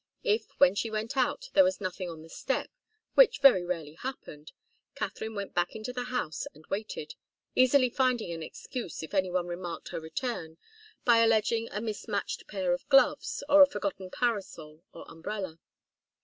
If, when she went out, there was nothing on the step, which very rarely happened, Katharine went back into the house and waited, easily finding an excuse if any one remarked her return, by alleging a mismatched pair of gloves, or a forgotten parasol or umbrella.